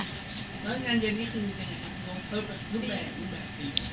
แล้วกันเย็นให้ขึ้นแหงร์ครับด้านด้านบน